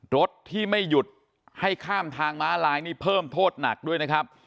รถที่ไม่หยุดให้ข้ามทางม้าลายนี่เพิ่มโทษหนักด้วยนะครับ